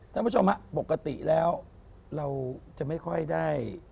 ท่านผู้ชมครับปกติแล้วเราจะไม่ค่อยได้